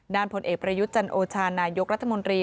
ผลเอกประยุทธ์จันโอชานายกรัฐมนตรี